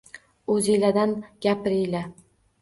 O’ziladan gapiriyla.